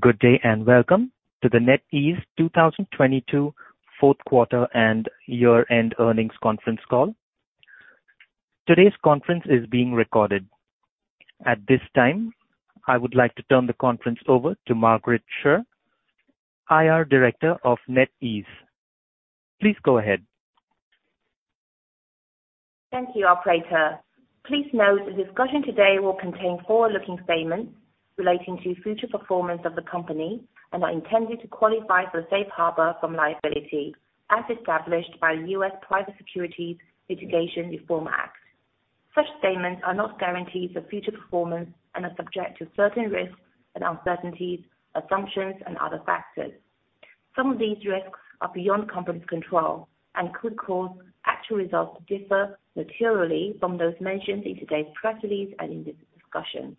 Good day, welcome to the NetEase 2022 Q4 and year-end earnings conference call. Today's conference is being recorded. At this time, I would like to turn the conference over to Margaret Shi, IR director of NetEase. Please go ahead. Thank you, operator. Please note the discussion today will contain forward-looking statements relating to future performance of the company and are intended to qualify for the safe harbor from liability as established by U.S. Private Securities Litigation Reform Act. Such statements are not guarantees of future performance and are subject to certain risks and uncertainties, assumptions and other factors. Some of these risks are beyond company's control and could cause actual results to differ materially from those mentioned in today's press release and in this discussion.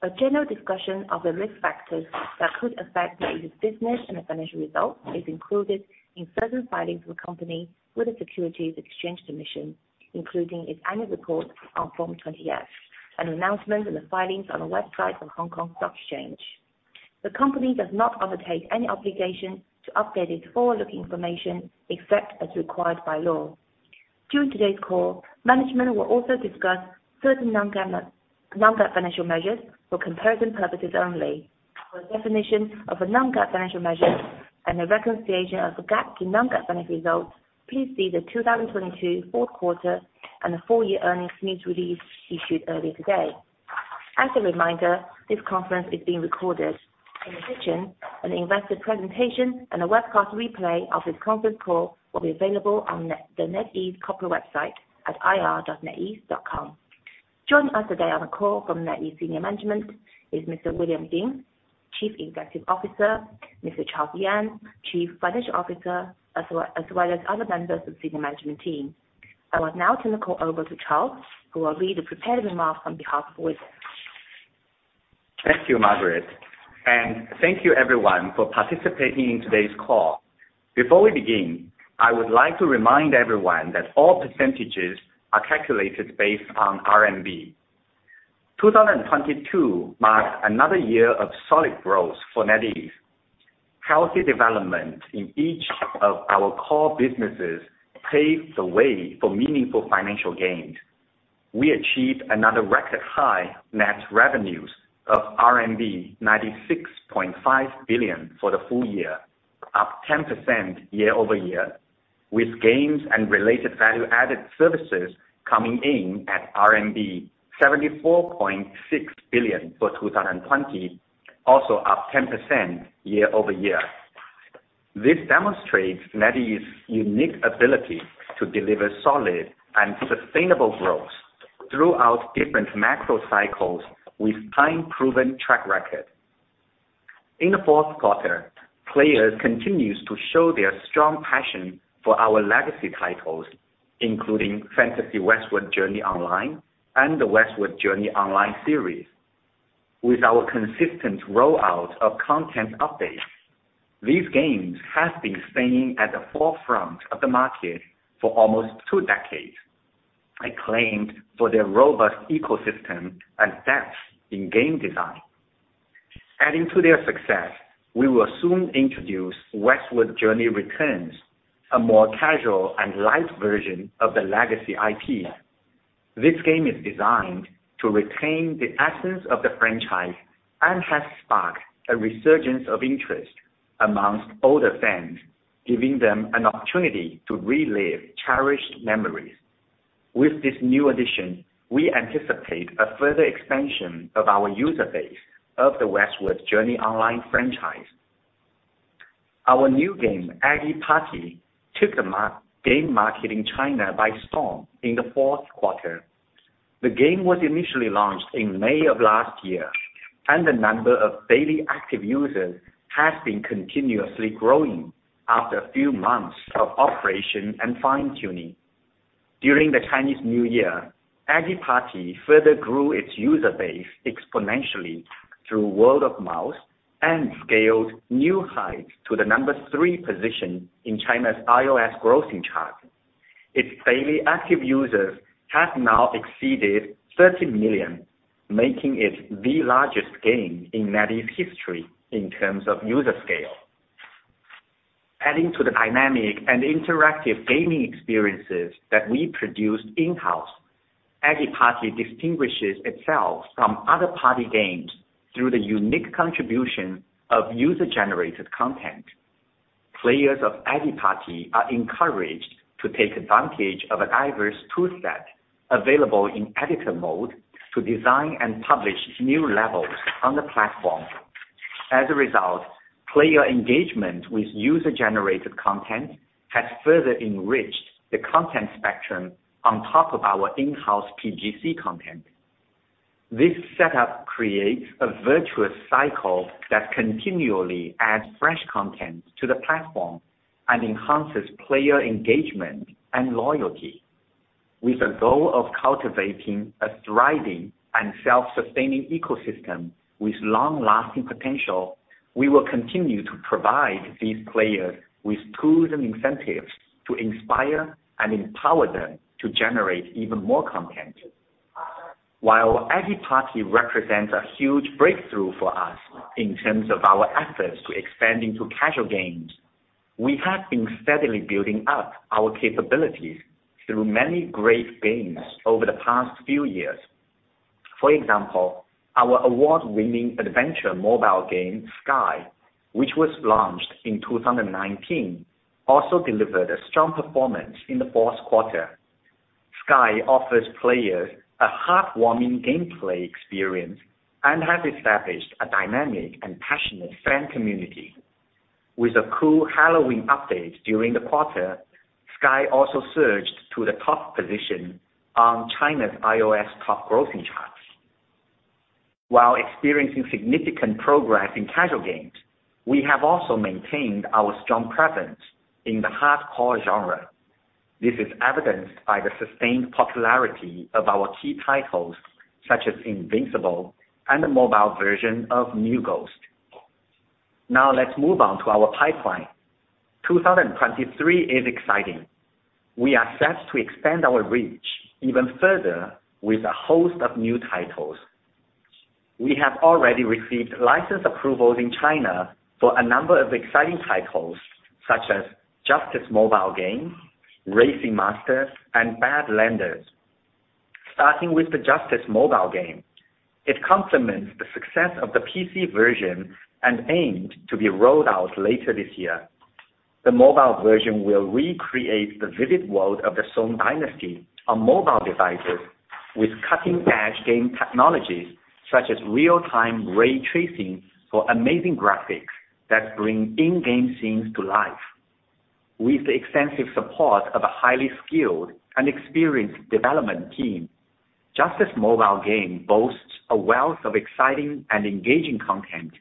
A general discussion of the risk factors that could affect NetEase business and financial results is included in certain filings for company with the Securities Exchange Commission, including its annual report on Form 20-F and announcements and the filings on the website of Hong Kong Stock Exchange. The company does not undertake any obligation to update its forward-looking information except as required by law. During today's call, management will also discuss certain non-GAAP financial measures for comparison purposes only. For a definition of a non-GAAP financial measure and a reconciliation of the GAAP to non-GAAP financial results, please see the 2022 Q4 and the full year earnings news release issued earlier today. As a reminder, this conference is being recorded. In addition, an investor presentation and a webcast replay of this conference call will be available on the NetEase corporate website at ir.netease.com. Joining us today on the call from NetEase senior management is Mr. William Ding, Chief Executive Officer, Mr. Charles Yang, Chief Financial Officer, as well as other members of senior management team. I will now turn the call over to Charles, who will read a prepared remark on behalf of William. Thank you, Margaret, and thank you everyone for participating in today's call. Before we begin, I would like to remind everyone that all percentages are calculated based on RMB. 2022 marked another year of solid growth for NetEase. Healthy development in each of our core businesses paved the way for meaningful financial gains. We achieved another record high net revenues of RMB 96.5 billion for the full year, up 10% year-over-year, with gains and related value-added services coming in at RMB 74.6 billion for 2020, also up 10% year-over-year. This demonstrates NetEase unique ability to deliver solid and sustainable growth throughout different macro cycles with time-proven track record. In the Q4, players continues to show their strong passion for our legacy titles, including Fantasy Westward Journey Online and the Westward Journey Online series. With our consistent rollout of content updates, these games have been staying at the forefront of the market for almost two decades. Acclaimed for their robust ecosystem and depth in game design. Adding to their success, we will soon introduce Westward Journey: Returns, a more casual and light version of the legacy IP. This game is designed to retain the essence of the franchise and has sparked a resurgence of interest among older fans, giving them an opportunity to relive cherished memories. With this new addition, we anticipate a further expansion of our user base of the Westward Journey Online franchise. Our new game, Eggy Party, took the game market in China by storm in the Q4. The game was initially launched in May of last year, and the number of daily active users has been continuously growing after a few months of operation and fine-tuning. During the Chinese New Year, Eggy Party further grew its user base exponentially through word of mouth and scaled new heights to the number three position in China's iOS grossing chart. Its daily active users have now exceeded 30 million, making it the largest game in NetEase history in terms of user scale. Adding to the dynamic and interactive gaming experiences that we produce in-house, Eggy Party distinguishes itself from other party games through the unique contribution of user-generated content. Players of Eggy Party are encouraged to take advantage of a diverse tool set available in editor mode to design and publish new levels on the platform. As a result, player engagement with user-generated content has further enriched the content spectrum on top of our in-house PGC content. This setup creates a virtuous cycle that continually adds fresh content to the platform and enhances player engagement and loyalty. With the goal of cultivating a thriving and self-sustaining ecosystem with long-lasting potential. We will continue to provide these players with tools and incentives to inspire and empower them to generate even more content. While Eggy Party represents a huge breakthrough for us in terms of our efforts to expand into casual games, we have been steadily building up our capabilities through many great games over the past few years. For example, our award-winning adventure mobile game Sky, which was launched in 2019, also delivered a strong performance in the Q4. Sky offers players a heartwarming gameplay experience and has established a dynamic and passionate fan community. With a cool Halloween update during the quarter, Sky also surged to the top position on China's iOS top grossing charts. While experiencing significant progress in casual games, we have also maintained our strong presence in the hardcore genre. This is evidenced by the sustained popularity of our key titles such as Invincible and the mobile version of New Ghost. Let's move on to our pipeline. 2023 is exciting. We are set to expand our reach even further with a host of new titles. We have already received license approvals in China for a number of exciting titles such as Justice mobile game, Racing Master, and Badlanders. Starting with the Justice mobile game, it complements the success of the PC version and aimed to be rolled out later this year. The mobile version will recreate the vivid world of the Song dynasty on mobile devices with cutting-edge game technologies such as real-time ray tracing for amazing graphics that bring in-game scenes to life. With the extensive support of a highly skilled and experienced development team, Justice mobile game boasts a wealth of exciting and engaging content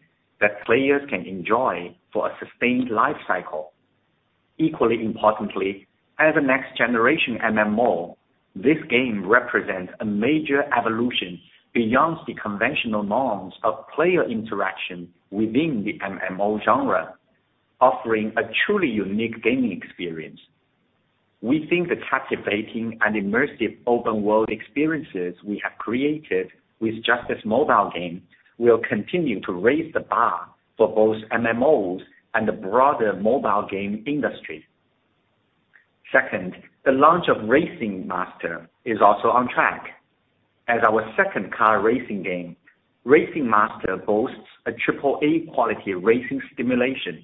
that players can enjoy for a sustained life cycle. Equally importantly, as a next-generation MMO, this game represents a major evolution beyond the conventional norms of player interaction within the MMO genre, offering a truly unique gaming experience. We think the captivating and immersive open-world experiences we have created with Justice mobile game will continue to raise the bar for both MMOs and the broader mobile game industry. Second, the launch of Racing Master is also on track. As our second car racing game, Racing Master boasts a Triple-A quality racing simulation.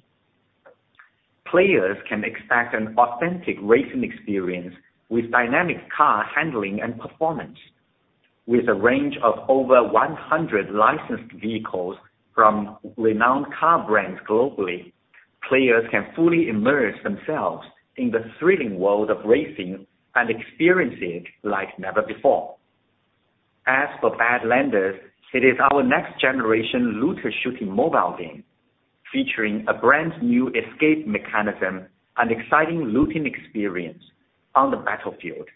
Players can expect an authentic racing experience with dynamic car handling and performance. With a range of over 100 licensed vehicles from renowned car brands globally, players can fully immerse themselves in the thrilling world of racing and experience it like never before. As for Badlanders, it is our next-generation looter shooting mobile game, featuring a brand-new escape mechanism and exciting looting experience on the battlefield.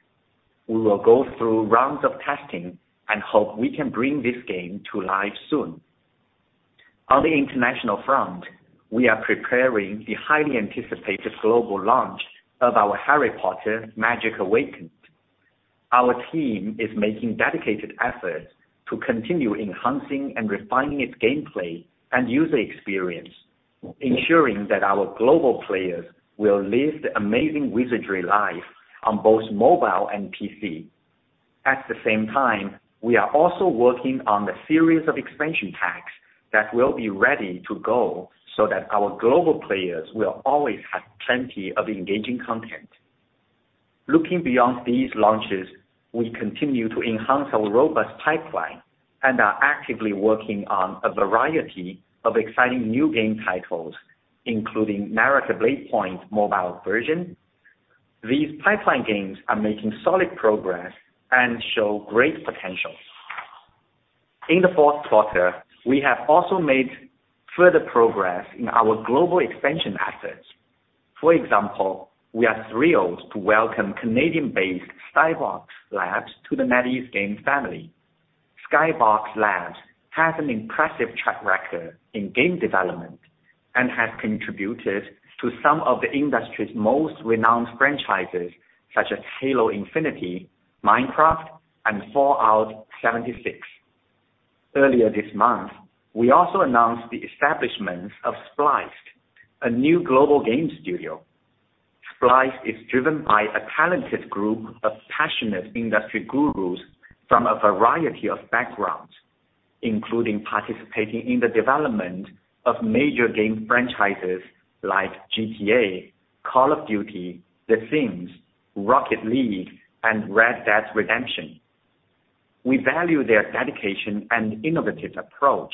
We will go through rounds of testing and hope we can bring this game to life soon. On the international front, we are preparing the highly anticipated global launch of our Harry Potter: Magic Awakened. Our team is making dedicated efforts to continue enhancing and refining its gameplay and user experience, ensuring that our global players will live the amazing wizardry life on both mobile and PC. At the same time, we are also working on the series of expansion packs that will be ready to go so that our global players will always have plenty of engaging content. Looking beyond these launches, we continue to enhance our robust pipeline and are actively working on a variety of exciting new game titles, including NARAKA: BLADEPOINT mobile version. These pipeline games are making solid progress and show great potential. In the Q4, we have also made further progress in our global expansion assets. For example, we are thrilled to welcome Canadian-based SkyBox Labs to the NetEase Games family. SkyBox Labs has an impressive track record in game development and has contributed to some of the industry's most renowned franchises, such as Halo Infinite, Minecraft, and Fallout 76. Earlier this month, we also announced the establishment of Spliced, a new global game studio. Spliced is driven by a talented group of passionate industry gurus from a variety of backgrounds, including participating in the development of major game franchises like GTA, Call of Duty, The Sims, Rocket League, and Red Dead Redemption. We value their dedication and innovative approach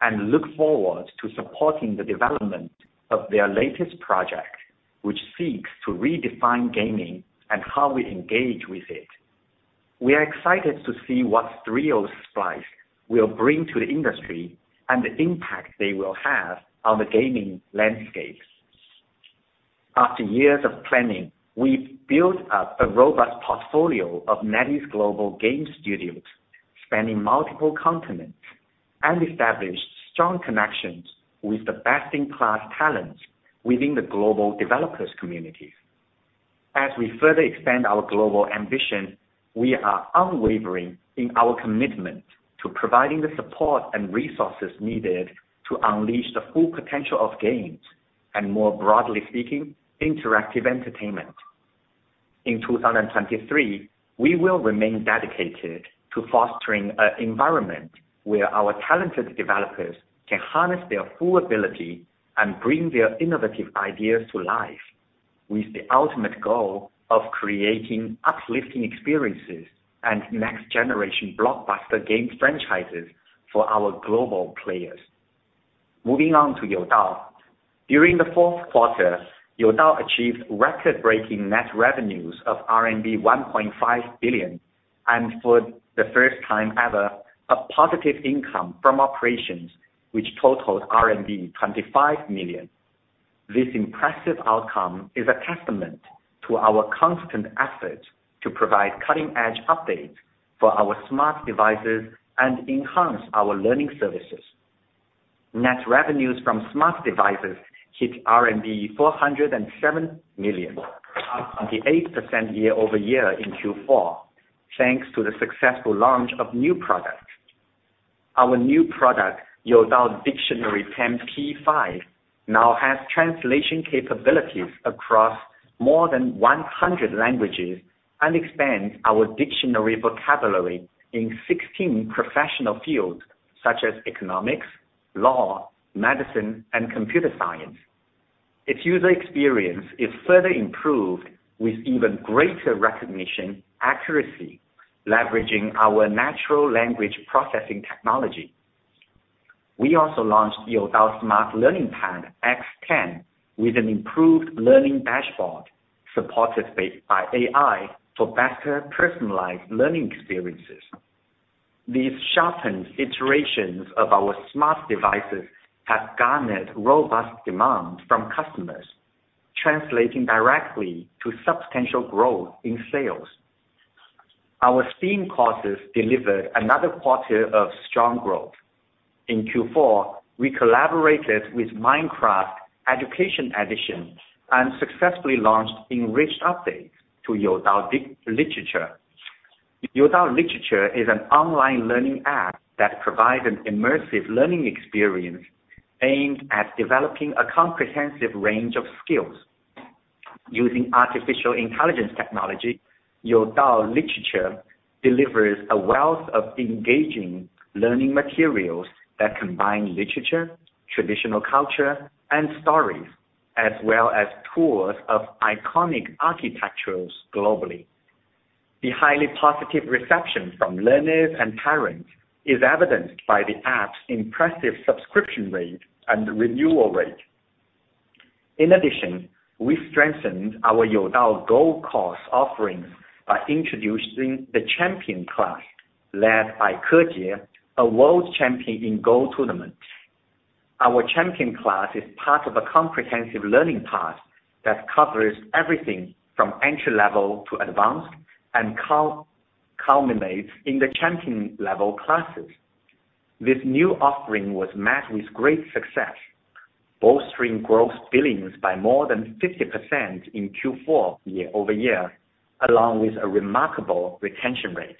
and look forward to supporting the development of their latest project, which seeks to redefine gaming and how we engage with it. We are excited to see what thrills Spliced will bring to the industry and the impact they will have on the gaming landscapes. After years of planning, we've built up a robust portfolio of NetEase Global game studios spanning multiple continents and established strong connections with the best-in-class talents within the global developers communities. As we further expand our global ambition, we are unwavering in our commitment to providing the support and resources needed to unleash the full potential of games, and more broadly speaking, interactive entertainment. In 2023, we will remain dedicated to fostering an environment where our talented developers can harness their full ability and bring their innovative ideas to life, with the ultimate goal of creating uplifting experiences and next generation blockbuster game franchises for our global players. Moving on to Youdao. During the Q4, Youdao achieved record-breaking net revenues of RMB 1.5 billion, and for the first time ever, a positive income from operations which totaled 25 million. This impressive outcome is a testament to our constant efforts to provide cutting-edge updates for our smart devices and enhance our learning services. Net revenues from smart devices hit RMB 407 million, up 28% year-over-year in Q4, thanks to the successful launch of new products. Our new product, Youdao Dictionary Pen P5, now has translation capabilities across more than 100 languages and expands our dictionary vocabulary in 16 professional fields such as economics, law, medicine, and computer science. Its user experience is further improved with even greater recognition accuracy, leveraging our natural language processing technology. We also launched Youdao Smart Learning Pad X10 with an improved learning dashboard supported based by AI for better personalized learning experiences. These sharpened iterations of our smart devices have garnered robust demand from customers, translating directly to substantial growth in sales. Our STEAM courses delivered another quarter of strong growth. In Q4, we collaborated with Minecraft Education and successfully launched enriched updates to Youdao Literature. Youdao Literature is an online learning app that provides an immersive learning experience aimed at developing a comprehensive range of skills. Using artificial intelligence technology, Youdao Literature delivers a wealth of engaging learning materials that combine literature, traditional culture, and stories, as well as tours of iconic architecturals globally. The highly positive reception from learners and parents is evidenced by the app's impressive subscription rate and renewal rate. In addition, we strengthened our Youdao Go course offerings by introducing the Champion Class led by Ke Jie, a world champion in Go tournaments. Our Champion Class is part of a comprehensive learning path that covers everything from entry-level to advanced and culminates in the champion-level classes. This new offering was met with great success, bolstering gross billings by more than 50% in Q4 year-over-year, along with a remarkable retention rate.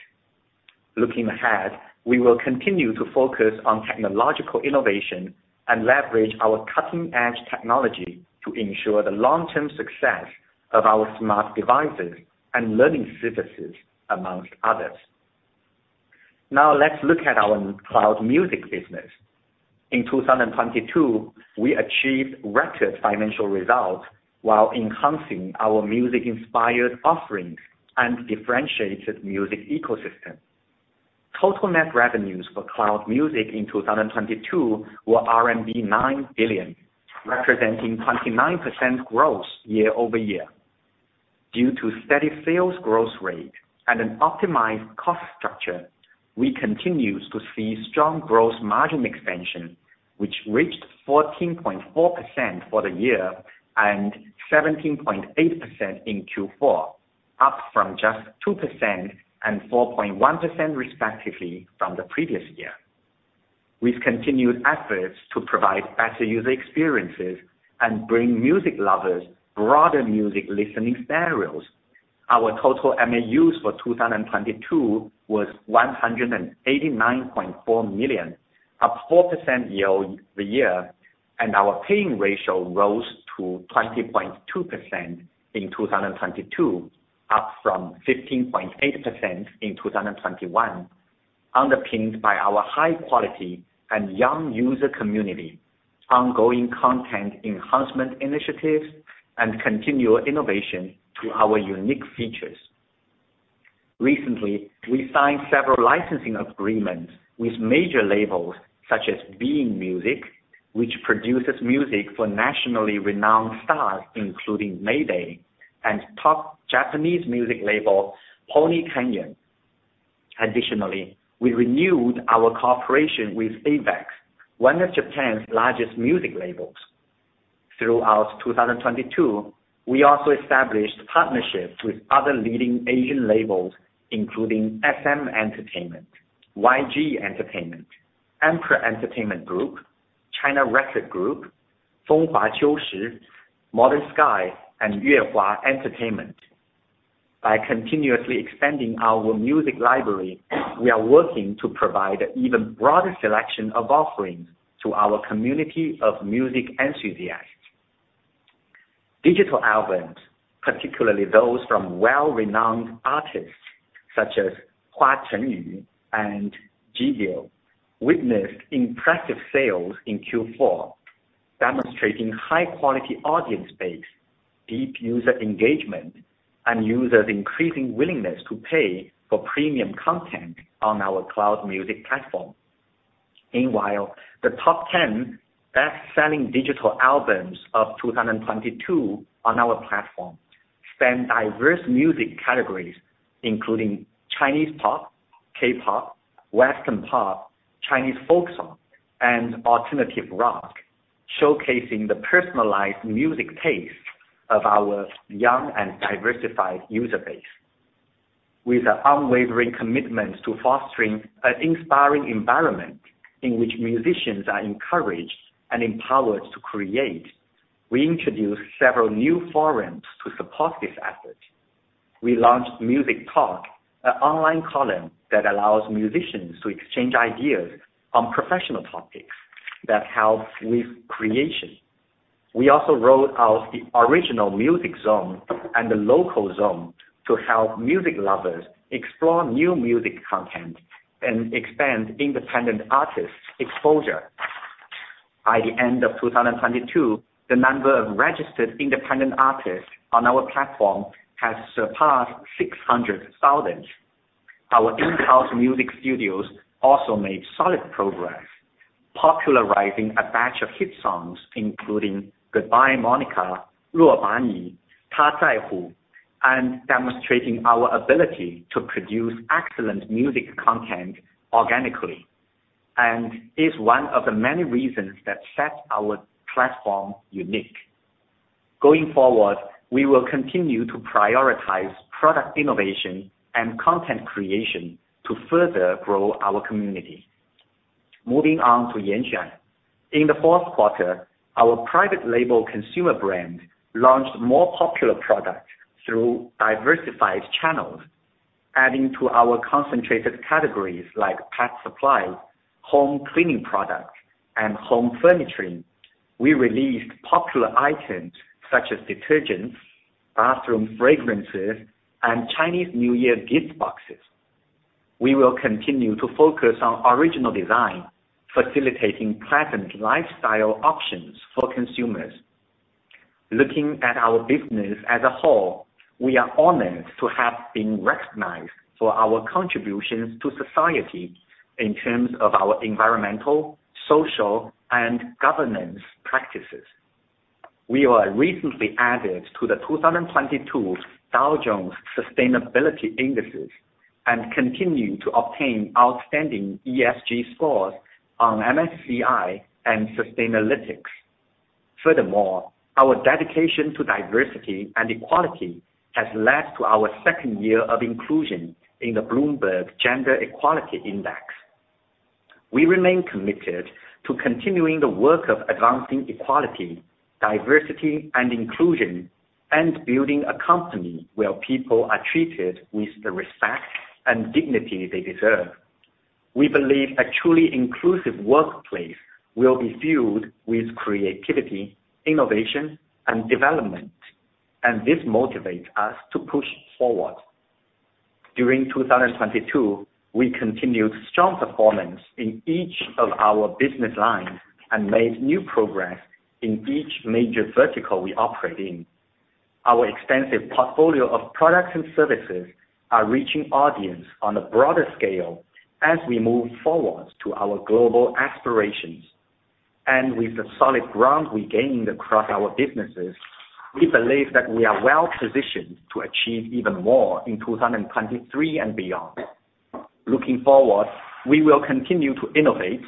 Looking ahead, we will continue to focus on technological innovation and leverage our cutting-edge technology to ensure the long-term success of our smart devices and learning services, amongst others. Let's look at our Cloud Music business. In 2022, we achieved record financial results while enhancing our music-inspired offerings and differentiated music ecosystem. Total net revenues for Cloud Music in 2022 were RMB 9 billion, representing 29% growth year-over-year. Due to steady sales growth rate and an optimized cost structure, we continue to see strong gross margin expansion, which reached 14.4% for the year and 17.8% in Q4, up from just 2% and 4.1% respectively from the previous year. With continued efforts to provide better user experiences and bring music lovers broader music listening scenarios, our total MAUs for 2022 was 189.4 million, up 4% year-over-year, and our paying ratio rose to 20.2% in 2022, up from 15.8% in 2021, underpinned by our high quality and young user community, ongoing content enhancement initiatives, and continual innovation to our unique features. Recently, we signed several licensing agreements with major labels such as B'in Music, which produces music for nationally renowned stars, including Mayday and top Japanese music label Pony Canyon. We renewed our cooperation with Avex, one of Japan's largest music labels. Throughout 2022, we also established partnerships with other leading Asian labels, including SM Entertainment, YG Entertainment, Emperor Entertainment Group, China Record Group, Modern Sky, and Yuehua Entertainment. By continuously expanding our music library, we are working to provide an even broader selection of offerings to our community of music enthusiasts. Digital albums, particularly those from well-renowned artists such as Hua Chenyu and Gigo, witnessed impressive sales in Q4, demonstrating high-quality audience base, deep user engagement, and users increasing willingness to pay for premium content on our cloud music platform. Meanwhile, the top 10 best-selling digital albums of 2022 on our platform span diverse music categories, including Chinese pop, K-pop, Western pop, Chinese folk song, and alternative rock, showcasing the personalized music taste of our young and diversified user base. With an unwavering commitment to fostering an inspiring environment in which musicians are encouraged and empowered to create, we introduced several new forums to support this effort. We launched Music Talk, an online column that allows musicians to exchange ideas on professional topics that help with creation. We also rolled out the original music zone and the local zone to help music lovers explore new music content and expand independent artists exposure. By the end of 2022, the number of registered independent artists on our platform has surpassed 600,000. Our in-house music studios also made solid progress, popularizing a batch of hit songs, including Goodbye Monica, Ruo Ban Yi, Ta Zai Hu, and demonstrating our ability to produce excellent music content organically, and is one of the many reasons that sets our platform unique. Going forward, we will continue to prioritize product innovation and content creation to further grow our community. Moving on to Yanxuan. In the Q4, our private label consumer brand launched more popular products through diversified channels. Adding to our concentrated categories like pet supplies, home cleaning products, and home furniture, we released popular items such as detergents, bathroom fragrances, and Chinese New Year gift boxes. We will continue to focus on original design, facilitating pleasant lifestyle options for consumers. Looking at our business as a whole, we are honored to have been recognized for our contributions to society in terms of our environmental, social, and governance practices. We were recently added to the 2022 Dow Jones Sustainability Indices, and continue to obtain outstanding ESG scores on MSCI and Sustainalytics. Furthermore, our dedication to diversity and equality has led to our second year of inclusion in the Bloomberg Gender-Equality Index. We remain committed to continuing the work of advancing equality, diversity, and inclusion, and building a company where people are treated with the respect and dignity they deserve. We believe a truly inclusive workplace will be filled with creativity, innovation, and development. This motivates us to push forward. During 2022, we continued strong performance in each of our business lines and made new progress in each major vertical we operate in. Our extensive portfolio of products and services are reaching audience on a broader scale as we move forward to our global aspirations. With the solid ground we gained across our businesses, we believe that we are well-positioned to achieve even more in 2023 and beyond. Looking forward, we will continue to innovate,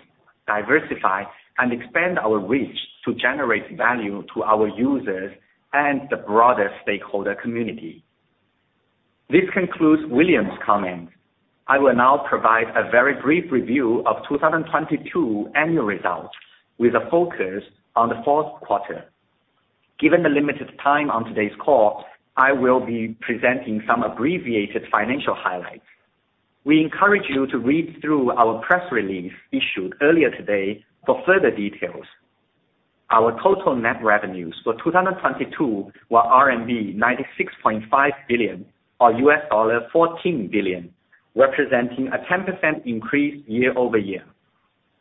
diversify, and expand our reach to generate value to our users and the broader stakeholder community. This concludes William's comments. I will now provide a very brief review of 2022 annual results with a focus on the Q4. Given the limited time on today's call, I will be presenting some abbreviated financial highlights. We encourage you to read through our press release issued earlier today for further details. Our total net revenues for 2022 were RMB 96.5 billion, or $14 billion, representing a 10% increase year-over-year.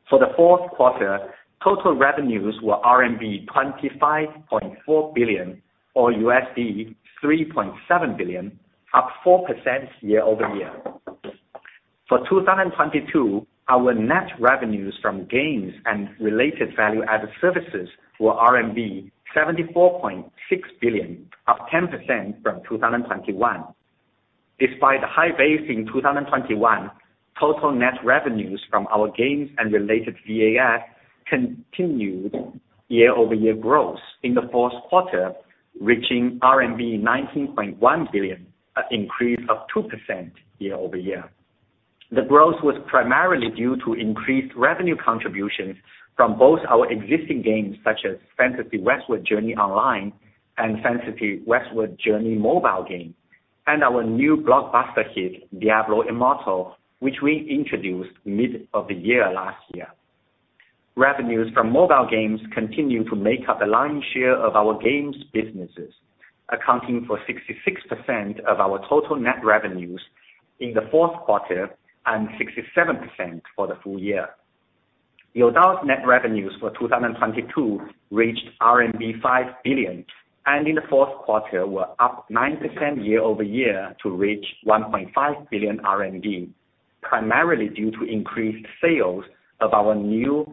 For the Q4, total revenues were RMB 25.4 billion, or $3.7 billion, up 4% year-over-year. For 2022, our net revenues from games and related value-added services were RMB 74.6 billion, up 10% from 2021. Despite the high base in 2021, total net revenues from our games and related VAS continued year-over-year growth in the Q4, reaching RMB 19.1 billion, an increase of 2% year-over-year. The growth was primarily due to increased revenue contributions from both our existing games, such as Fantasy Westward Journey Online and Fantasy Westward Journey mobile game, and our new blockbuster hit, Diablo Immortal, which we introduced mid of the year last year. Revenues from mobile games continue to make up the lion's share of our games businesses, accounting for 66% of our total net revenues in the Q4 and 67% for the full year. Youdao's net revenues for 2022 reached RMB 5 billion, and in the were up 9% year-over-year to reach 1.5 billion RMB, primarily due to increased sales of our new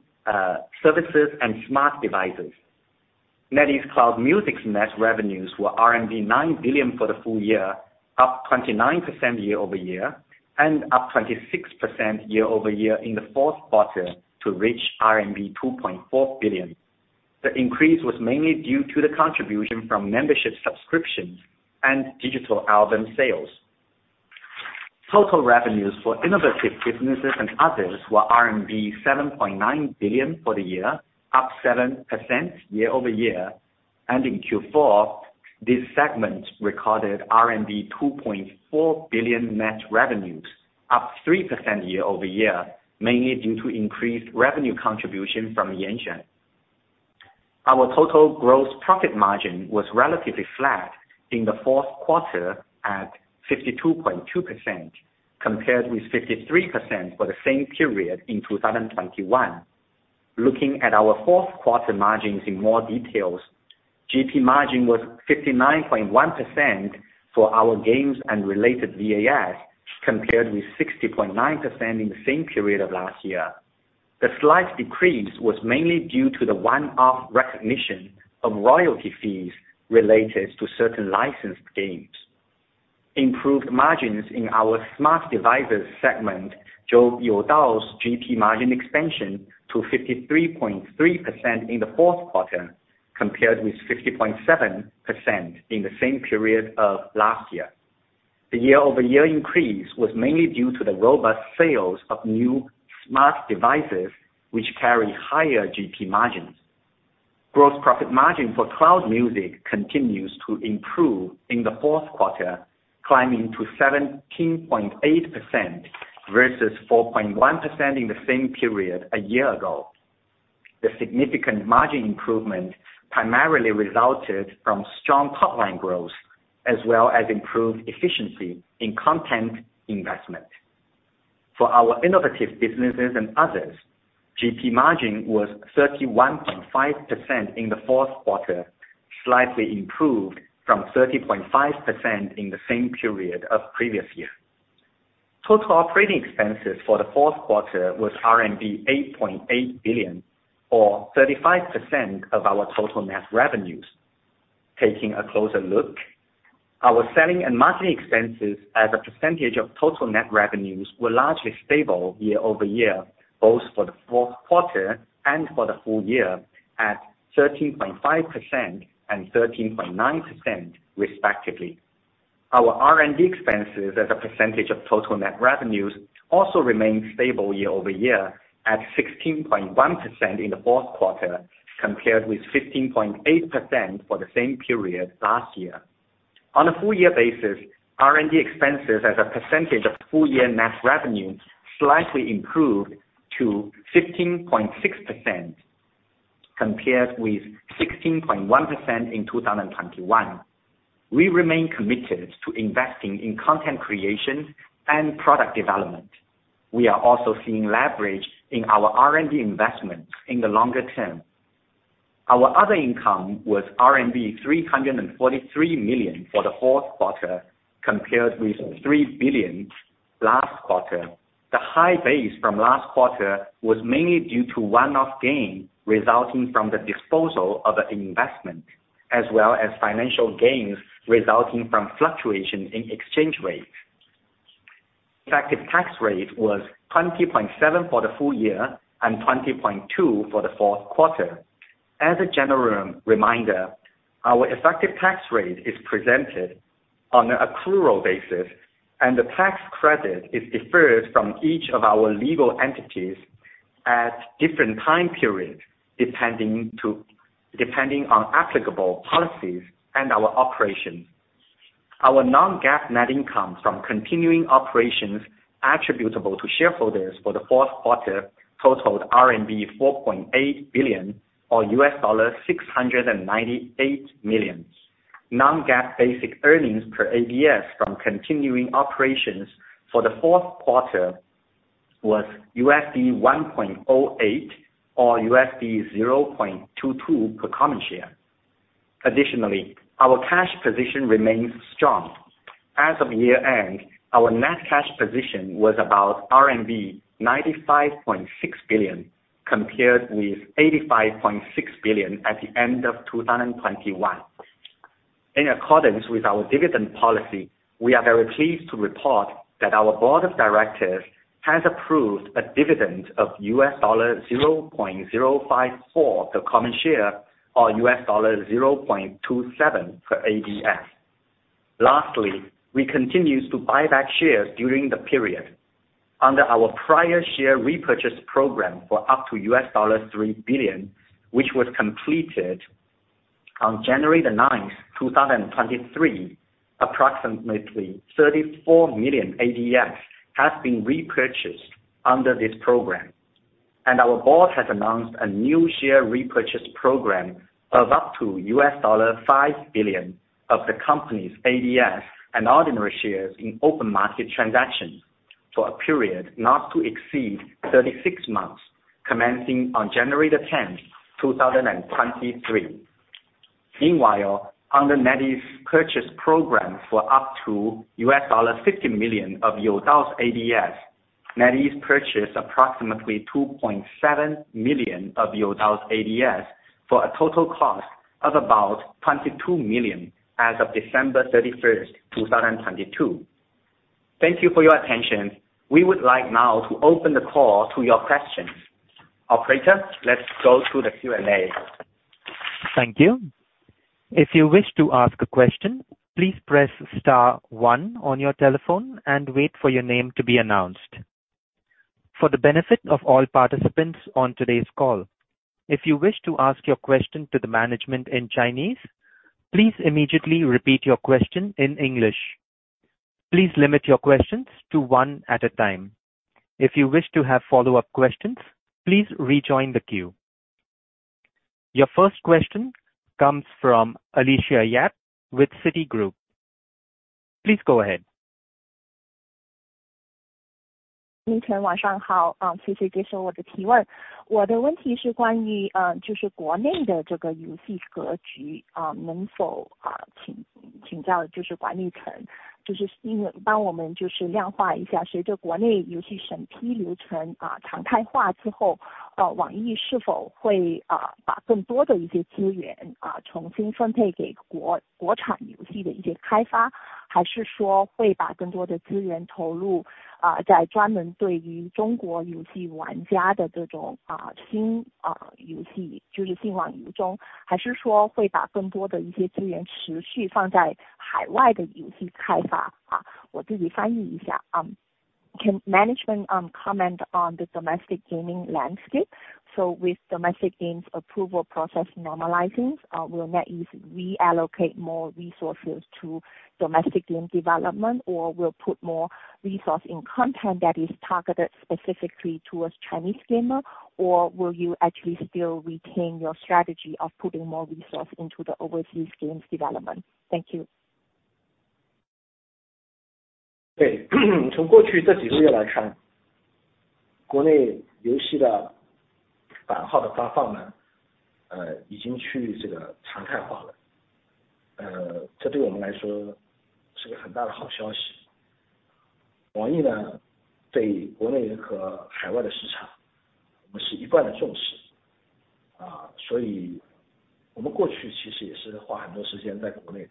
services and smart devices. NetEase Cloud Music's net revenues were 9 billion for the full year, up 29% year-over-year, and up 26% year-over-year in the to reach RMB 2.4 billion. The increase was mainly due to the contribution from membership subscriptions and digital album sales. Total revenues for innovative businesses and others were RMB 7.9 billion for the year, up 7% year-over-year. In Q4, this segment recorded RMB 2.4 billion net revenues, up 3% year-over-year, mainly due to increased revenue contribution from Yanxuan. Our total gross profit margin was relatively flat in the Q4 at 52.2%, compared with 53% for the same period in 2021. Looking at our Q4 margins in more details, GP margin was 59.1% for our games and related VAS, compared with 60.9% in the same period of last year. The slight decrease was mainly due to the one-off recognition of royalty fees related to certain licensed games. Improved margins in our smart devices segment showed Youdao's GP margin expansion to 53.3% in the Q4, compared with 50.7% in the same period of last year. The year-over-year increase was mainly due to the robust sales of new smart devices, which carry higher GP margins. Gross profit margin for NetEase Cloud Music continues to improve in the Q4, climbing to 17.8% versus 4.1% in the same period a year ago. The significant margin improvement primarily resulted from strong top-line growth as well as improved efficiency in content investment. For our innovative businesses and others, GP margin was 31.5% in the Q4, slightly improved from 30.5% in the same period of previous year. Total operating expenses for the Q4 was RMB 8.8 billion, or 35% of our total net revenues. Taking a closer look, our selling and marketing expenses as a percentage of total net revenues were largely stable year-over-year, both for the Q4 and for the full year, at 13.5% and 13.9%, respectively. Our R&D expenses as a percentage of total net revenues also remained stable year-over-year at 16.1% in the Q4, compared with 15.8% for the same period last year. On a full year basis, R&D expenses as a percentage of full year net revenue slightly improved to 15.6% compared with 16.1% in 2021. We remain committed to investing in content creation and product development. We are also seeing leverage in our R&D investments in the longer term. Our other income was RMB 343 million for the Q4, compared with 3 billion last quarter. The high base from last quarter was mainly due to one-off gain resulting from the disposal of an investment, as well as financial gains resulting from fluctuation in exchange rates. Effective tax rate was 20.7% for the full year and 20.2% for theQ4. As a general reminder, our effective tax rate is presented on an accrual basis and the tax credit is deferred from each of our legal entities at different time periods, depending on applicable policies and our operations. Our non-GAAP net income from continuing operations attributable to shareholders for the Q4 totaled RMB 4.8 billion, or $698 million. Non-GAAP basic earnings per ADS from continuing operations for the Q4 was $1.08 or $0.22 per common share. Additionally, our cash position remains strong. As of year-end, our net cash position was about RMB 95.6 billion. Compared with 85.6 billion at the end of 2021. In accordance with our dividend policy, we are very pleased to report that our board of directors has approved a dividend of $0.054 the common share or $0.27 per ADS. Lastly, we continue to buy back shares during the period. Under our prior share repurchase program for up to $3 billion, which was completed on January 9, 2023, approximately 34 million ADS has been repurchased under this program, and our board has announced a new share repurchase program of up to $5 billion of the company's ADS and ordinary shares in open market transactions for a period not to exceed 36 months commencing on January 10, 2023. Meanwhile, under NetEase purchase program for up to $50 million of Youdao's ADS. NetEase purchased approximately 2.7 million of Youdao's ADS for a total cost of about $22 million as of December 31, 2022. Thank you for your attention. We would like now to open the call to your questions. Operator, let's go to the Q&A. Thank you. If you wish to ask a question, please press star one on your telephone and wait for your name to be announced. For the benefit of all participants on today's call, if you wish to ask your question to the management in Chinese, please immediately repeat your question in English. Please limit your questions to one at a time. If you wish to have follow-up questions, please rejoin the queue. Your first question comes from Alicia Yap with Citigroup. Please go ahead. 凌晨晚上 好， 谢谢接受我的提问。我的问题是关于就是国内的这个游戏格 局， 能否请教就是管理 层， 就是因为帮我们就是量化一 下， 随着国内游戏审批流程常态化之后，网易是否会把更多的一些资源重新分配给国产游戏的一些开 发， 还是说会把更多的资源投入在专门对于中国游戏玩家的这种新游 戏， 就是净网 among， 还是说会把更多的一些资源持续放在海外的游戏开 发？ 我自己翻译一下。Can management comment on the domestic gaming landscape? With domestic games approval process normalizing, will NetEase reallocate more resources to domestic game development? Will put more resource in content that is targeted specifically towards Chinese gamer? Will you actually still retain your strategy of putting more resource into the overseas games development? Thank you. 对。从过去这几个月来 看， 国内游戏的版号的发放 呢， 呃， 已经趋于这个常态化了。呃， 这对我们来说是个很大的好消息。网易 呢， 对于国内和海外的市场我们是一贯的重视。啊， 所以我们过去其实也是花很多时间在国 内，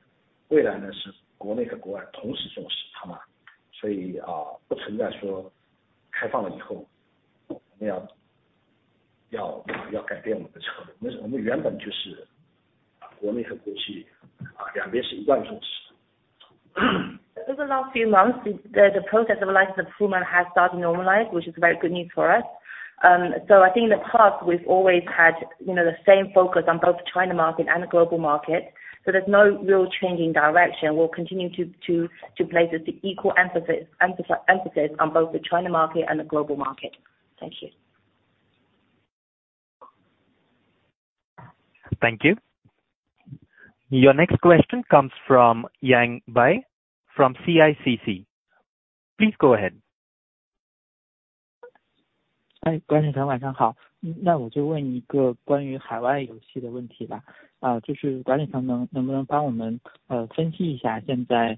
未来呢是国内和国外同时重视，好 吗？ 所 以， 啊， 不存在说开放了以后我们 要， 要， 要改变我们的策略。那是我们原本就是国内和国 际， 啊， 两边是一贯重视。Over the last few months, the process of license approval has started to normalize, which is very good news for us. I think in the past we've always had, you know, the same focus on both China market and the global market, there's no real change in direction. We'll continue to place the equal emphasis on both the China market and the global market. Thank you. Thank you. Your next question comes from Yang Bai from CICC. Please go ahead. 管理层晚上 好， 我就问一个关于海外游戏的问题吧。就是管理层能不能帮我们分析一下现在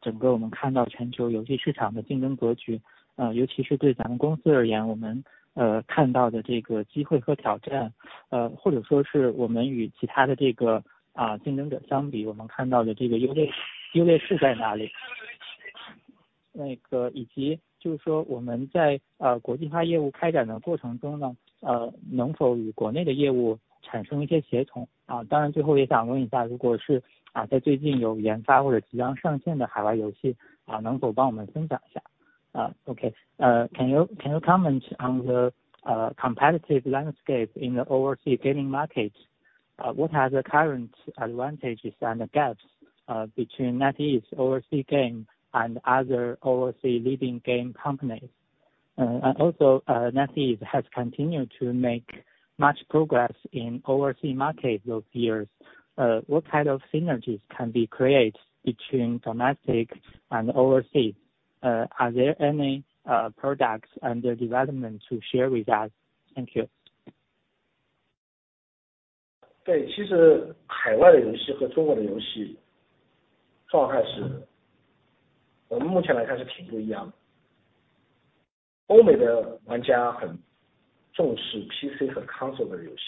整个我们看到全球游戏市场的竞争格 局， 尤其是对咱们公司而 言， 我们看到的这个机会和挑 战， 或者说是我们与其他的这个竞争者相 比， 我们看到的这个优势是在哪 里？ 以及就是说我们在国际化业务开展的过程中 呢， 能否与国内的业务产生一些协 同？ 最后也想问一 下， 如果是在最近有研发或者即将上线的海外游 戏， 能否帮我们分享一下 ？Okay. Can you comment on the competitive landscape in the overseas gaming market? What are the current advantages and gaps between NetEase overseas game and other overseas leading game companies? Also, NetEase has continued to make much progress in overseas market those years. What kind of synergies can be created between domestic and overseas? Are there any products under development to share with us? Thank you 对， 其实海外的游戏和中国的游戏状态是我们目前来看是挺不一样的。欧美的玩家很重视 PC 和 console 的游 戏，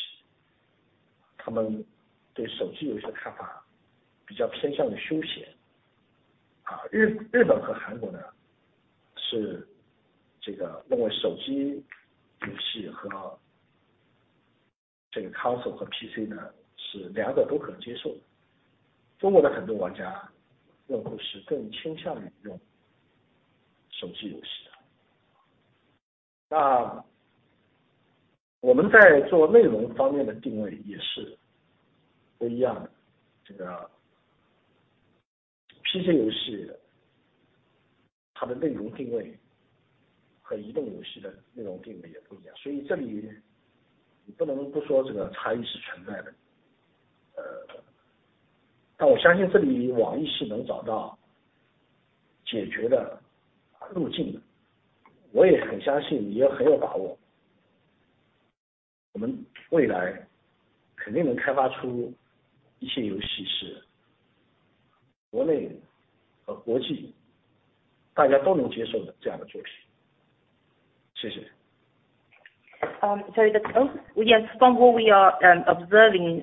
他们对手机游戏的看法比较偏向于休闲。啊， 日-日本和韩国 呢， 是这个认为手机游戏和这个 console 和 PC 呢， 是两个都可接受。中国的很多玩家用户是更倾向于用手机游戏的。那我们在做内容方面的定位也是不一样 的， 这个 PC 游戏它的内容定位和移动游戏的内容定位也不一 样， 所以这里你不能不说这个差异是存在的。呃， 但我相信这里网易是能找到解决的路径的。我也很相 信， 也很有把握，我们未来肯定能开发出一些游戏是国内和国际大家都能接受的这样的作品。谢谢。Yes, from what we are observing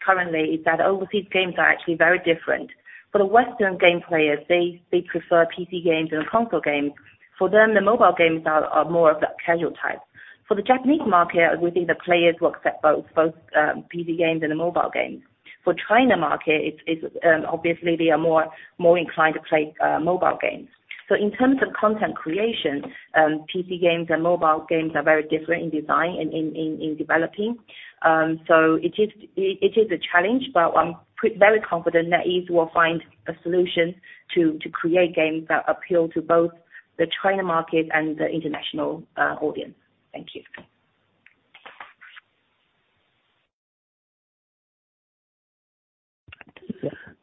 currently is that overseas games are actually very different. For the Western game players, they prefer PC games and console games. For them, the mobile games are more of the casual type. For the Japanese market, we think the players will accept both PC games and the mobile games. For China market, it's obviously they are more inclined to play mobile games. In terms of content creation, PC games and mobile games are very different in design, in developing. It is a challenge, but I'm very confident that NetEase will find a solution to create games that appeal to both the China market and the international audience. Thank you.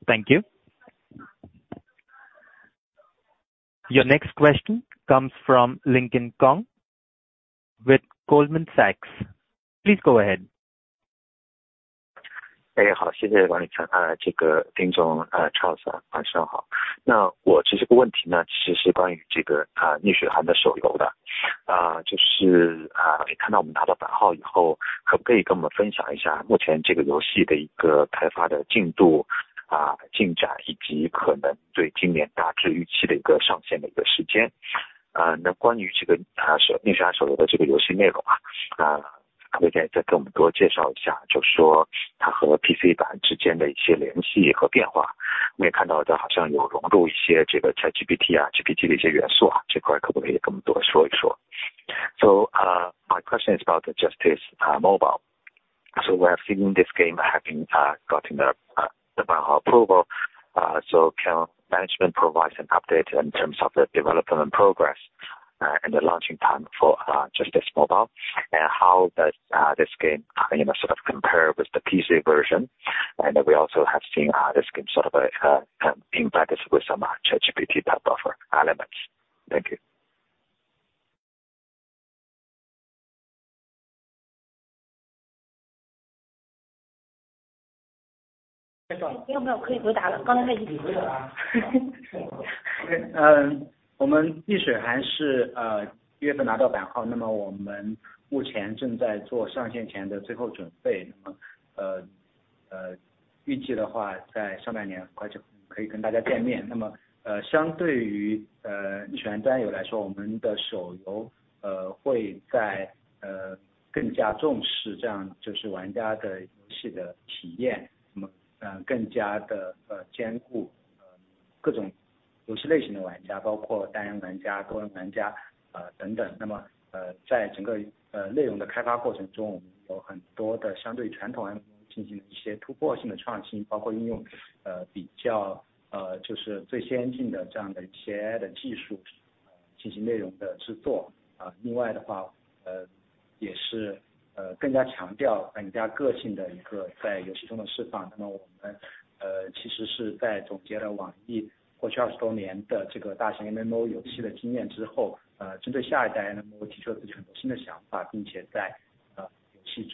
Thank you. Your next question comes from Lincoln Kong with Goldman Sachs. Please go ahead. 好， 谢谢。这个 丁总， Charles Yang， 晚上好。我其实 这个问题呢， 其实是关于这个 Justice mobile game 的， 就是看到我们拿到版号 以后， 可不可以跟我们分享一下目前这个游戏的一个开发的 进度， 进展以及可能对今年大致预期的一个上线的一个时间。关于这个 Justice mobile game 的这个游戏 内容， 可不可以再跟我们多介绍 一下， 就是说它和 PC version 之间的一些联系和变化。我也看到了好像有融入一些这个 ChatGPT， GPT 的一些 元素， 这块可不可以跟我们多说 一说？ My question is about the Justice mobile game. We are seeing this game having gotten the ban approval, so can management provide an update in terms of the development progress, and the launching time for Justice Mobile? How does this game, you know, sort of compare with the PC version? We also have seen this game sort of being practiced with some ChatGPT type of elements. Thank you. 要不要可以回答 了， 刚才那句。你回答。我们 Nishuihan 是 January 份拿到版号。我们目前正在做上线前的最后准备。预计的 话， 在 first half 年可以跟大家见面。相对于全玩家来 说， 我们的手游会在更加重 视， 这样就是玩家的游戏的体验。更加的兼顾各种游戏类型的玩 家， 包括单人玩家、多人玩家等等。在整个内容的开发过程 中， 我们有很多的相对传统 MMO 进行一些突破性的创 新， 包括运用比较就是最先进的这样的 AI 的技术进行内容的制作。另外的 话， 也是更加强调玩家个性的一个在游戏中的释放。我们其实是在总结了 NetEase 过去 20+ 年的这个大型 MMO 游戏的经验之 后， 针对下一代 MMO 提出了自己很多新的想 法， 并且在 Thank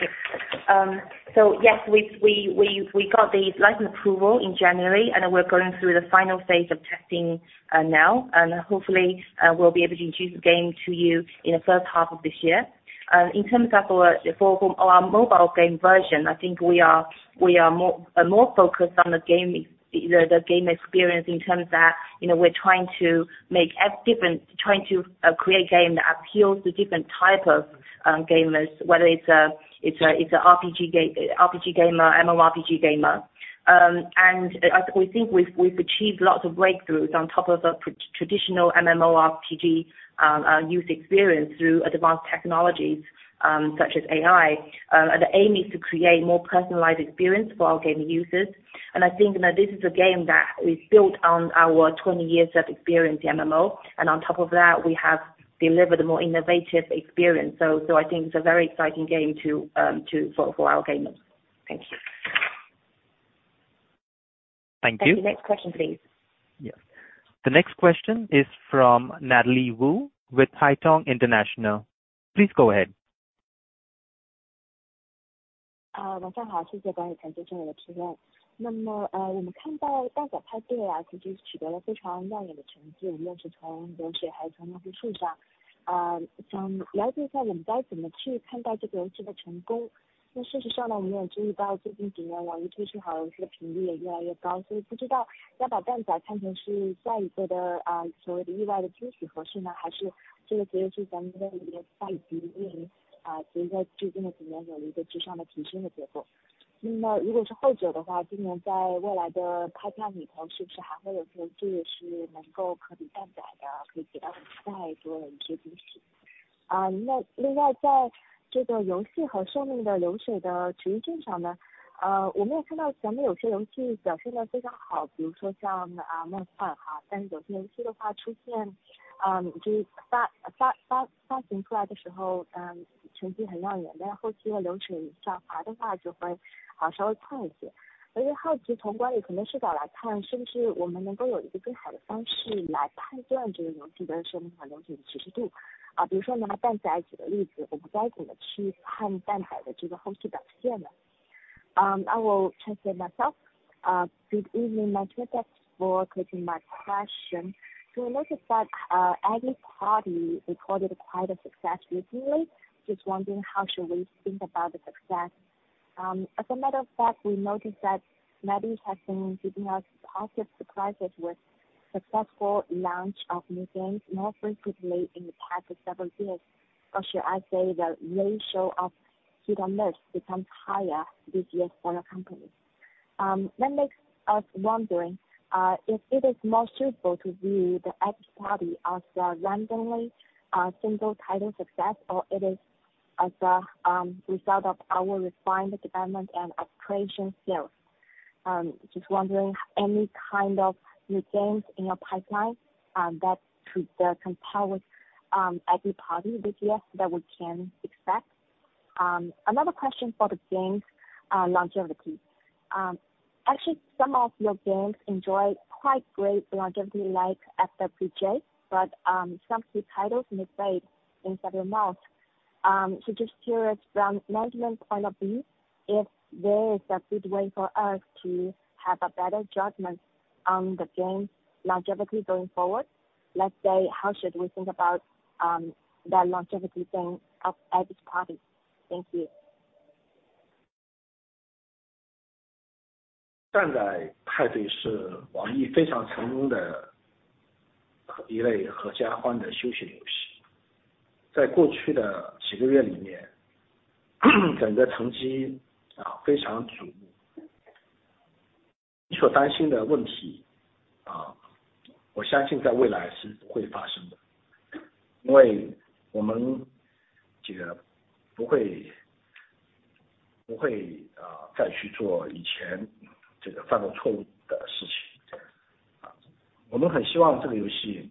you. Yes, we got the license approval in January. We're going through the final phase of testing now. Hopefully, we'll be able to introduce the game to you in the first half of this year. In terms of our mobile game version, I think we are more focused on the game experience in terms of, you know, we're trying to create game that appeals to different type of gamers, whether it's a RPG gamer, MMORPG gamer. I think we think we've achieved lots of breakthroughs on top of the traditional MMORPG user experience through advanced technologies, such as AI, and the aim is to create more personalized experience for our gaming users. I think that this is a game that is built on our 20 years of experience in MMO, and on top of that, we have delivered a more innovative experience. I think it's a very exciting game to for our gamers. Thank you. Thank you. Next question, please. Yes. The next question is from Natalie Wu with Haitong International. Please go ahead. 好， 晚上 好， 谢谢管理层接受我的提问。那 么， 呃， 我们看到蛋仔派对 啊， 估计取得了非常亮眼的成 绩， 无论是从流水还是从用户数 上， 呃， 想了解一下你们该怎么去看待这个游戏的成功。那事实上 呢， 我们有注意到最近几年网易推出好游戏的频率也越来越 高， 所以不知道要把蛋仔看成是下一个 的， 呃， 所谓的意外的惊喜合适 呢， 还是这个其实是咱们的一个大语境 里， 呃， 随着最近的几年有一个质上的提升的结果。那么如果是后者的 话， 今年在未来的 pipeline 里 头， 是不是还会有一 些， 这也是能够可比蛋仔 的， 可以给大家带来更多的一些惊喜。啊， 那另外在这个游戏和生命的流水的持续性上 呢， 呃， 我们也看到咱们有些游戏表现得非常 好， 比如说 像， 啊， 梦 幻， 哈， 但有些游戏的话出 现， 呃， 就是发-发-发-发行出来的时 候， 呃， 成绩很亮 眼， 但后期的流水下滑的话就 会， 啊， 稍微快一些。我就好奇从管理可能视角来 看， 是不是我们能够有一个更好的方式来判断这个游戏的生命和游戏的持续 度， 啊，比如说拿蛋仔举个例 子， 我们该怎么去看蛋仔的这个后续表现呢 ？Um, I will translate myself. Good evening, management. Thanks for taking my question. It looks that Egg Party recorded quite a success recently. Just wondering how should we think about the success? As a matter of fact, we noticed that NetEase has been giving us positive surprises with successful launch of new games more frequently in the past several years. Should I say the ratio of hit or miss becomes higher this year for your company. That makes us wondering if it is more suitable to view the Egg Party as a randomly single title success, or it is as a result of our refined development and operation skills. Just wondering any kind of new games in your pipeline that could compare with Egg Party this year that we can expect? Another question for the game's longevity. Actually, some of your games enjoy quite great longevity like FWJ, but some key titles may fade in several months. Just curious from management point of view, if there is a good way for us to have a better judgment on the game's longevity going forward? Let's say, how should we think about the longevity thing of Eggy Party? Thank you. Eggy Party 是 NetEase 非常成功的一类合家欢的休闲游戏。在过去的几个月里 面， 整个成绩非常瞩目。你所担心的问 题， 我相信在未来是不会发生 的， 因为我们不会再去做以前犯过错误的事情。我们很希望这个游戏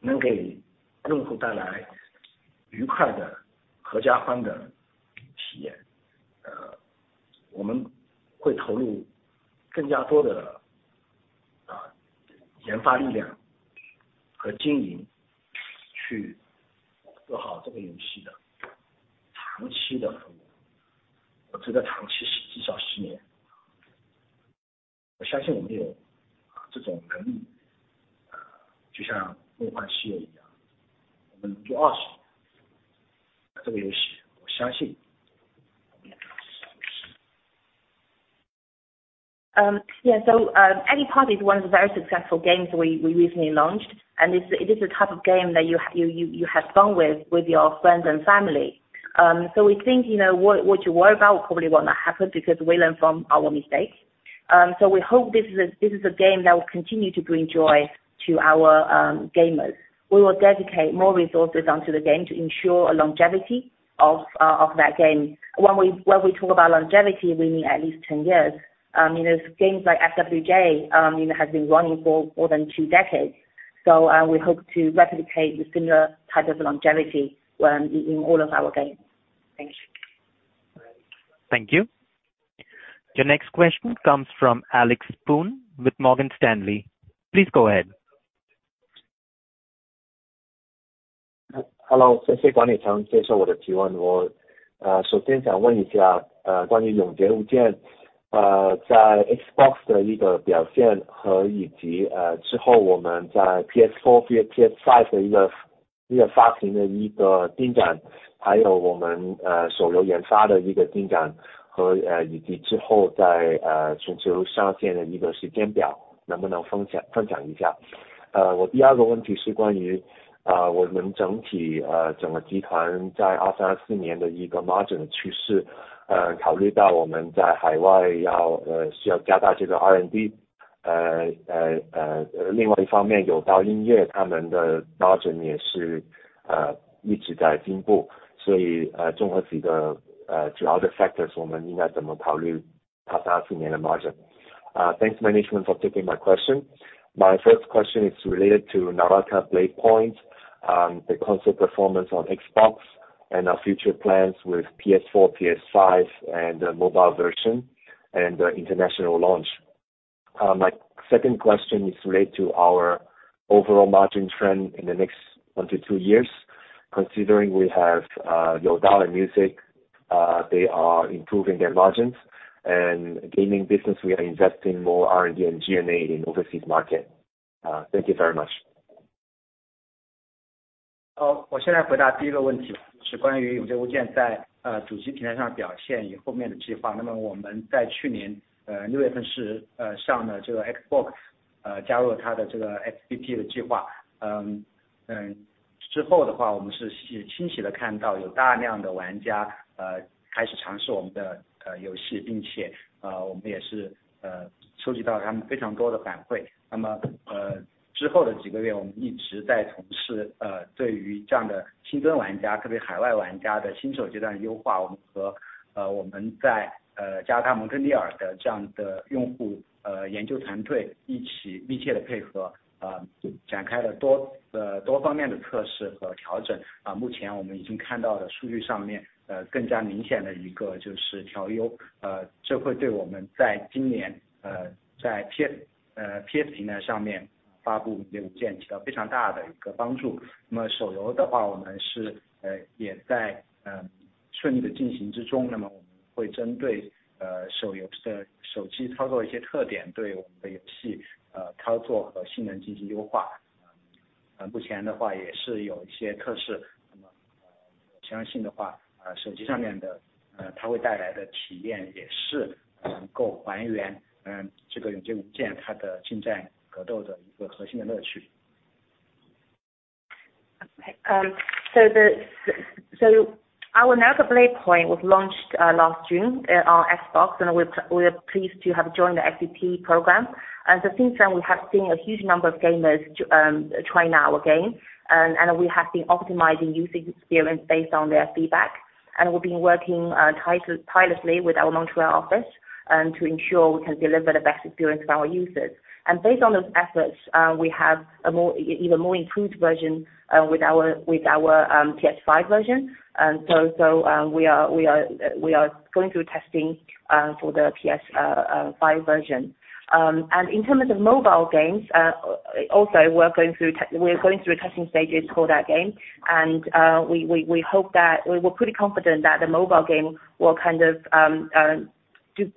能给用户带来愉快的合家欢的体验。我们会投入更加多的研发力量和经营去做好这个游戏的长期的服务。我说的长期是至少10 年。我相信我们有这种能 力， 就像 Fantasy Westward Journey 一 样， 我们能够20 年， 这个游戏我相信也能20 年。Yeah, Eggy Party is one of the very successful games we recently launched, and it is a type of game that you have fun with your friends and family. We think, you know, what you worry about probably will not happen because we learn from our mistakes. We hope this is a game that will continue to bring joy to our gamers. We will dedicate more resources onto the game to ensure a longevity of that game. When we talk about longevity, we mean at least 10 years. You know, games like FWJ, you know, has been running for more than 2 decades. We hope to replicate the similar type of longevity in all of our games. Thanks. Thank you. Your next question comes from Alex Poon with Morgan Stanley. Please go ahead. Hello. 谢谢管理层接受我的提 问. 我首先想问一下关于勇者无疆在 Xbox 的一个表现和以及之后我们在 PS4 变 PS5 的一个发行的一个进 展， 还有我们手游研发的一个进展和以及之后在全球上线的一个时间 表， 能不能分享一 下？ 我第二个问题是关于我们整体整个集团在 2023-2024 年的一个 margin 趋势。考虑到我们在海外要需要加大这个 R&D， 另外一方面有道音乐他们的 margin 也是一直在进步。综合几个主要的 factors， 我们应该怎么考虑 2023-2024 年的 margin？ Thanks management for taking my question. My first question is related to NARAKA: BLADEPOINT, the console performance on Xbox and our future plans with PS4, PS5 and mobile version and international launch. My second question is related to our overall margin trend in the next 1-2 years, considering we have Youdao Music, they are improving their margins and gaining business, we are investing more R&D and G&A in overseas market. Thank you very much. Our NARAKA: BLADEPOINT was launched last June on Xbox, we are pleased to have joined the FPP program. Since then we have seen a huge number of gamers try now our game, and we have been optimizing user experience based on their feedback. We've been working tirelessly with our Montreal office to ensure we can deliver the best experience for our users. Based on those efforts, we have a more, even more improved version with our PS5 version. We are going through testing for the PS5 version. In terms of mobile games, also we're going through testing stages for that game and we hope that... We were pretty confident that the mobile game will kind of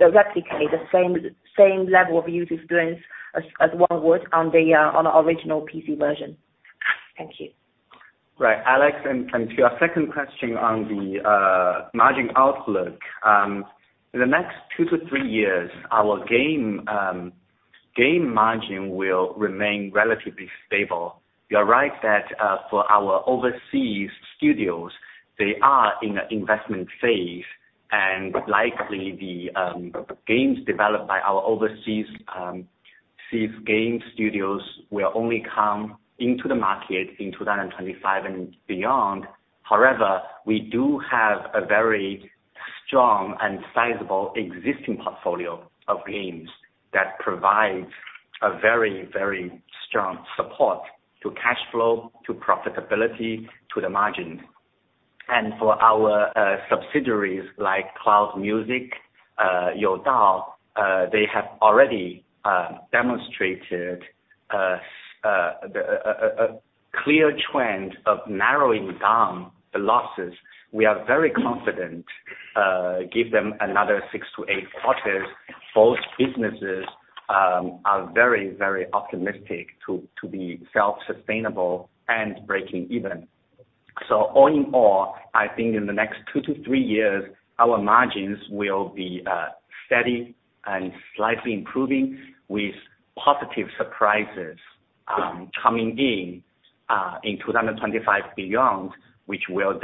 replicate the same level of user experience as one would on the original PC version. Thank you. Right. Alex, to your second question on the margin outlook, in the next 2 to 3 years, our game game margin will remain relatively stable. You are right that for our overseas studios, they are in an investment phase and likely the games developed by our overseas seas game studios will only come into the market in 2025 and beyond. However, we do have a very strong and sizable existing portfolio of games that provide a very strong support to cash flow, to profitability, to the margin. For our subsidiaries, like Cloud Music, Youdao, they have already demonstrated a clear trend of narrowing down the losses. We are very confident, give them another Q6 toQ10. Both businesses are very, very optimistic to be self-sustainable and breaking even. All in all, I think in the next two to three years, our margins will be steady and slightly improving with positive surprises coming in in 2025 beyond, which will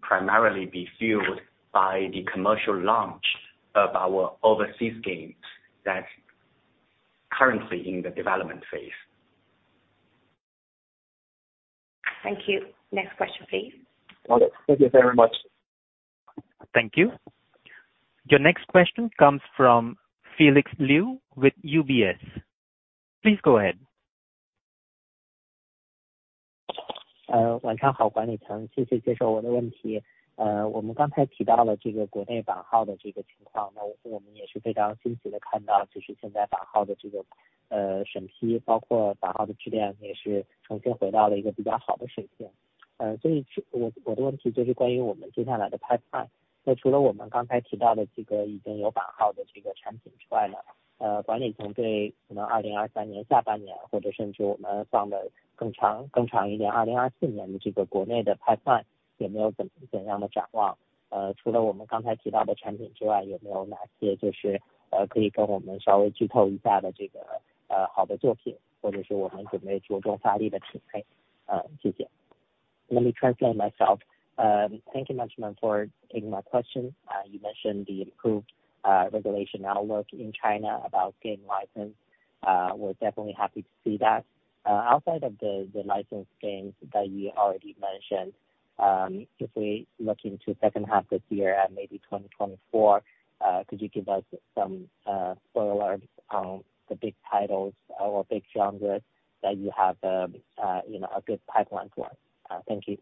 primarily be fueled by the commercial launch of our overseas games that's currently in the development phase. Thank you. Next question please. Thank you very much. Thank you. Your next question comes from Felix Liu with UBS. Please go ahead. Let me translate myself. Thank you much, man, for taking my question. You mentioned the improved regulation outlook in China about getting licensed. We're definitely happy to see that. Outside of the licensed games that you already mentioned, if we look into second half this year and maybe 2024, could you give us some spoilers on the big titles or big genres that you have, you know, a good pipeline for us? Thank you.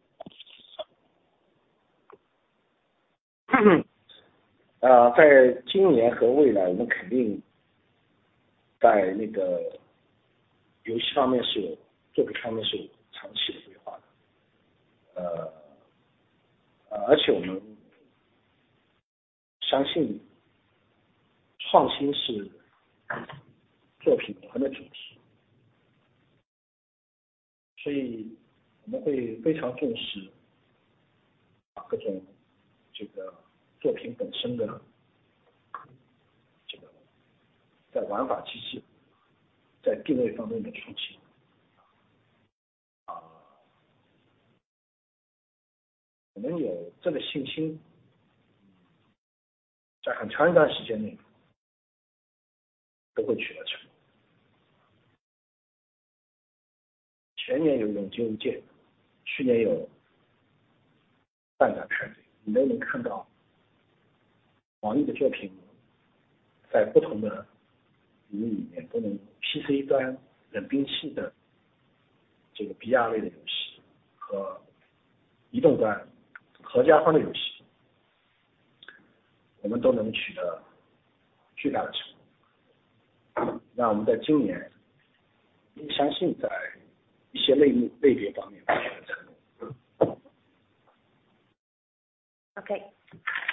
Uh,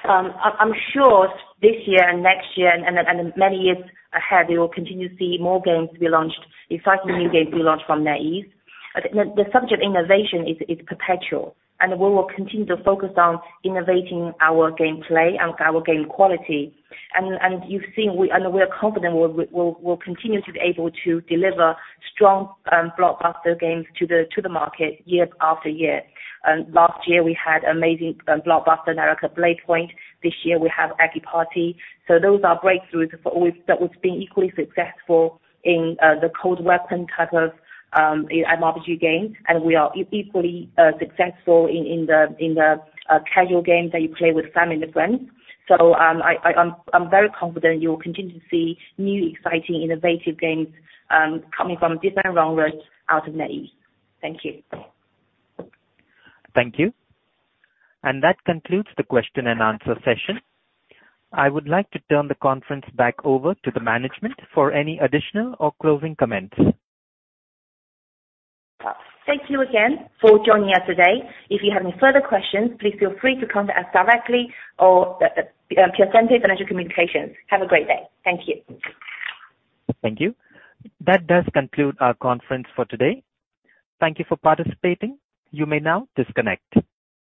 I'm sure this year and next year and many years ahead, we will continue to see more games to be launched, exciting new games be launched from NetEase. The subject innovation is perpetual. We will continue to focus on innovating our gameplay and our game quality. You've seen we are confident we'll continue to be able to deliver strong blockbuster games to the market year after year. Last year we had amazing blockbuster NARAKA: BLADEPOINT. This year we have Eggy Party. Those are breakthroughs for always that was being equally successful in the cold weapon type of MMORPG game. We are equally successful in the casual game that you play with family and friends. I'm very confident you will continue to see new, exciting, innovative games, coming from different railroads out of NetEase. Thank you. Thank you. That concludes the question and answer session. I would like to turn the conference back over to the management for any additional or closing comments. Thank you again for joining us today. If you have any further questions, please feel free to contact us directly or Piacente Financial Communications. Have a great day. Thank you. Thank you. That does conclude our conference for today. Thank you for participating. You may now disconnect.